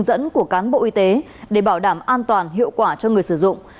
cục quản lý dược cũng hướng dẫn của cán bộ y tế để bảo đảm an toàn hiệu quả cho người sử dụng